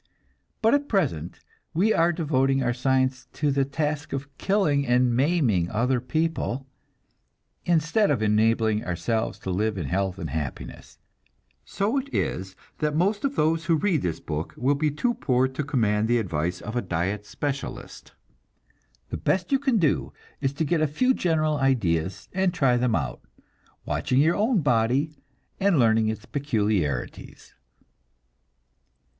But at present we are devoting our science to the task of killing and maiming other people, instead of enabling ourselves to live in health and happiness; so it is that most of those who read this book will be too poor to command the advice of a diet specialist. The best you can do is to get a few general ideas and try them out, watching your own body and learning its peculiarities.